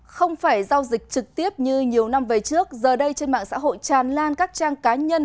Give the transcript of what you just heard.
không phải giao dịch trực tiếp như nhiều năm về trước giờ đây trên mạng xã hội tràn lan các trang cá nhân